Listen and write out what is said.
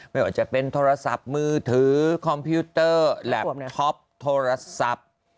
ไม่ว่าจะเป็นโทรศัพท์มือถือคอมพิวเตอร์แล็บทคอปโทรศัพท์